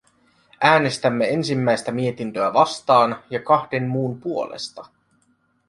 Äänestämme ensimmäistä mietintöä vastaan ja kahden muun puolesta.